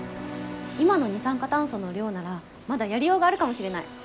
今の二酸化炭素の量ならまだやりようがあるかもしれない。